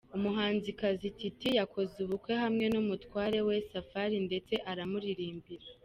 Umuhanzikanzikazi Titie yakoze ubukwe hamwe n’umutware we Safari ndetse aramuririmbira.